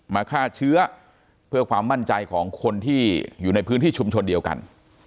ฆ่าเชื้อเพื่อความมั่นใจของคนที่อยู่ในพื้นที่ชุมชนเดียวกัน